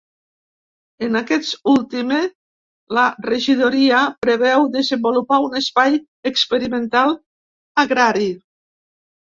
En aquest ultime la regidoria preveu desenvolupar un espai experimental agrari.